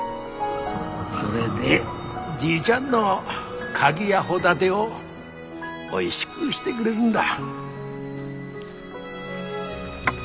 それでじいちゃんのカキやホタテをおいしぐしてくれるんだ。